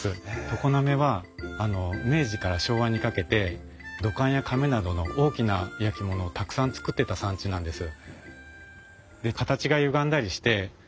常滑は明治から昭和にかけて土管やかめなどの大きな焼き物をたくさん作ってた産地なんです。